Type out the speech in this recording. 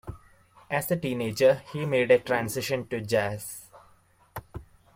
As a teenager he made a transition to jazz.